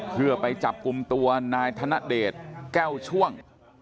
เพื่อไปจับกลุ่มตัวนายธนเดชแก้วช่วง